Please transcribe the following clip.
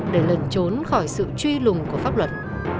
để lần trốn khỏi sự truy lùng của pháp luật